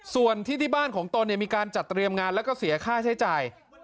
ส่วนที่ที่บ้านของตนมีการจัดเตรียมงานแล้วก็เสียค่าใช้จ่าย